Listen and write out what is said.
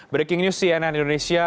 breaking news cnn indonesia